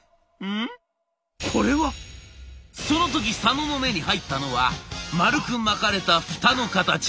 その時佐野の目に入ったのは丸く巻かれたフタの形。